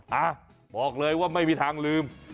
อ่ะบอกเลยว่าไม่มีทางลืม